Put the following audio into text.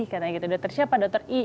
katanya gitu dokter siapa dokter i